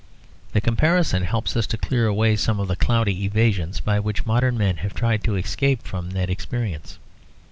The comparison helps us to clear away some of the cloudy evasions by which modern men have tried to escape from that experience.